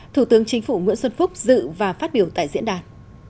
thủ tướng chính phủ nguyễn xuân phúc dự và phát biểu tại diễn đàn